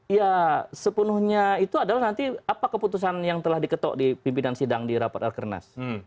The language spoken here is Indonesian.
ya sepenuhnya itu adalah nanti apa keputusan yang telah diketok di pimpinan sidang di rapat alkernas